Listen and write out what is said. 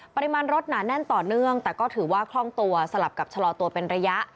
ปริมาณรถหนาแน่นต่อเนื่องแต่ก็ถือว่าคล่องตัวสลับกับชะลอตัวเป็นระยะ